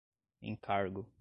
encargo